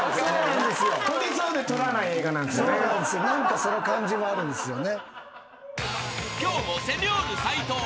何かその感じもあるんですよね。